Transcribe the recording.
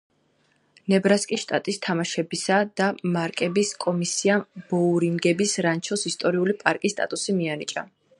ნებრასკის შტატის თამაშებისა და პარკების კომისიამ ბოურინგების რანჩოს ისტორიული პარკის სტატუსი მიანიჭა.